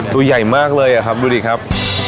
ตัวใหญ่มากเลยอะครับดูดิครับ